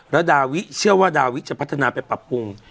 แล้วดาวิเชื่อว่าดาวิจะพัฒนาไปปรับปรุง